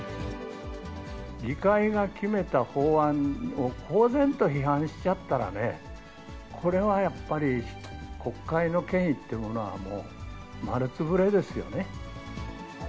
議会が決めた法案を公然と批判しちゃったらね、これはやっぱり、国会の権威ってものは、もう丸潰れですよね。